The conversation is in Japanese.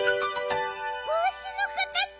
ぼうしのかたち！